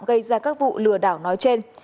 gây ra các vụ lừa đảo nói trên